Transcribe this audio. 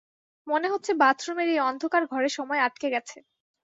মনে হচ্ছে বাথরুমের এই অন্ধকার ঘরে সময় আটকে গেছে।